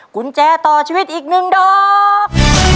กุญแจต่อชีวิตอีก๑ดอก